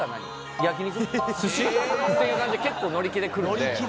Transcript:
焼肉？寿司？」っていう感じで結構乗り気でくるんで。